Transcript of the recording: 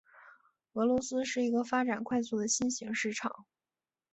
俄罗斯是一个发展快速的新型市场。